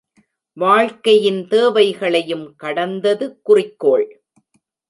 வாழ்க்கையின் தேவைகளையும் கடந்தது குறிக்கோள்.